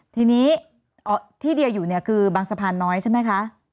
ทีนี้ที่เดียอยู่เนี่ยคือบางสะพานน้อยใช่ไหมคะ